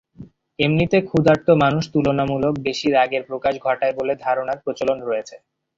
এমনিতে ক্ষুধার্ত মানুষ তুলনামূলক বেশি রাগের প্রকাশ ঘটায় বলে ধারণার প্রচলন রয়েছে।